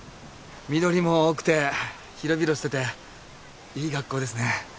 緑も多くて広々してていい学校ですね。